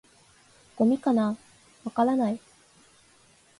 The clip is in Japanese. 「ゴミかな？」「わからない」